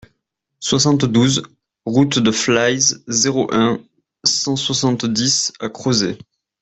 soixante-douze route de Flies, zéro un, cent soixante-dix à Crozet